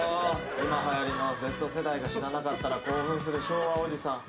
今はやりのＺ世代が知らなかったら興奮する昭和おじさん。